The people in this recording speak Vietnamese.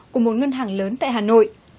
của một ngân hàng lớn tại hà nội